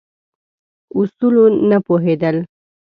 اصولو نه پوهېدل.